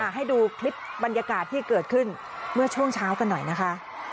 ให้ดูคลิปบรรยากาศที่เกิดขึ้นเมื่อช่วงเช้ากันหน่อยนะคะ